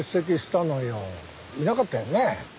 いなかったよね？